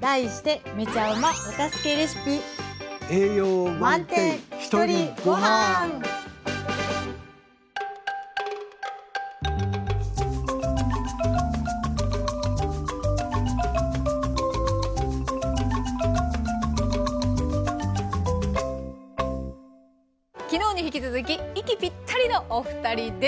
題して昨日に引き続き息ぴったりのお二人です。